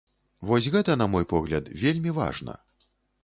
Вось гэта, на мой погляд, вельмі важна.